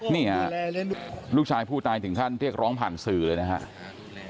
นี่ฮะลูกชายผู้ตายถึงขั้นเรียกร้องผ่านสื่อเลยนะครับ